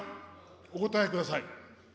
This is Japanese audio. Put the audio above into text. お応えください。